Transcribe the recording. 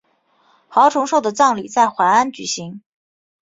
郝崇寿的葬礼在淮安举行。